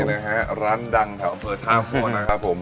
นี่นะฮะร้านดังแถวเปิดท่าพ่อนะครับผม